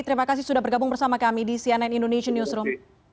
terima kasih sudah bergabung bersama kami di cnn indonesian newsroom